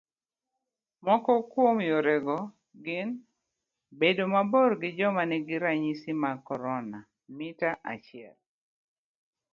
Moko kuom yorego gin, bedo mabor gi joma nigi ranyisi mag corona mita achiel